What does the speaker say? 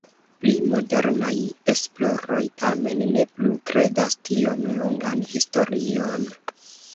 Pli modernaj esploroj tamen ne plu kredas tiom longan historion.